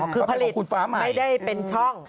คือผลิตไม่ได้เป็นช่อง